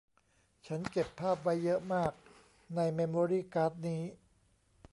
ฉันเก็บภาพไว้เยอะมากในเมมโมรี่การ์ดนี้